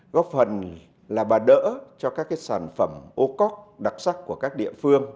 góp phần là bà đỡ cho các sản phẩm ô cóc đặc sắc của các địa phương